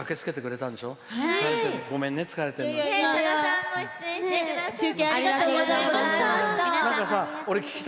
さださんもありがとうございました。